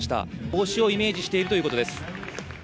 帽子をイメージしているということです。